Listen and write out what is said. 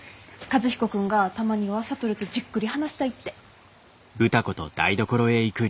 和彦君がたまには智とじっくり話したいって。